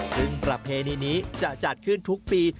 ซึ่งประเพณีนี้จะจัดขึ้นทุกปี